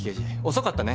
遅かったね。